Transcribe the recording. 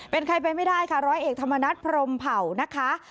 เป็นใครไปไม่ได้ค่ะร้อยเอกธรรมนัฐพรมเผ่านะคะ